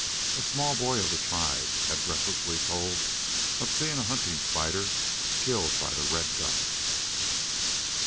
A small boy of the tribe had breathlessly told of seeing a hunting spider killed by the red dust.